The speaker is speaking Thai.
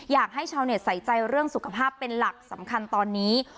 อยากให้ชาวเน็ตใส่ใจเรื่องสุขภาพเป็นหลักสำคัญตอนนี้